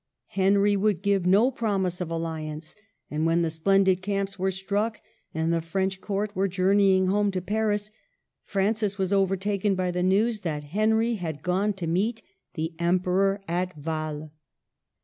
Henry would give no promise of alli ance ; and when the splendid camps were struck, and the French court were journeying home to Paris, Francis was overtaken by the news that Henry had gone to meet the Emperor at Wael.